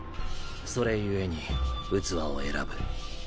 それゆえに器を選ぶ。